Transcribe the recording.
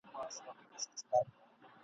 د همدې په زور عالم راته غلام دی !.